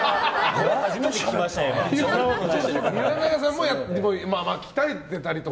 岩永さんも鍛えてたりとか？